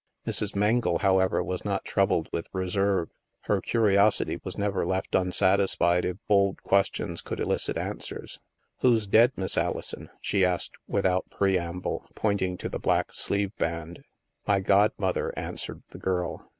Mrs. Mengle, however, was not troubled with reserve. Her curiosity was never left unsatisfied if bold questions could elicit answers. " Who's dead. Miss Alison ?" she asked without preamble, pointing to the black sleeve band. My godmother," answered the girl.